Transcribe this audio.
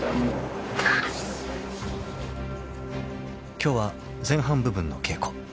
［今日は前半部分の稽古］